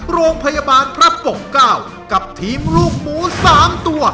โรงพยาบาลพระปกเก้ากับทีมลูกหมู๓ตัว